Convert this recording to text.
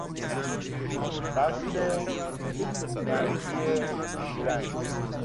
بست نرگی شیلنگ